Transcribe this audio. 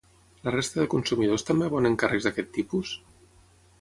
La resta de consumidors també abonen càrrecs d'aquest tipus?